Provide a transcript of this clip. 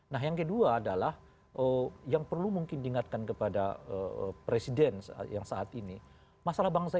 nah yang kedua adalah yang perlu mungkin diingatkan kepada presiden yang saat ini masalah bangsa